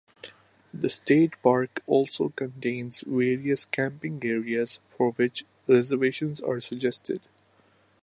The state park also contains various camping areas, for which reservations are suggested.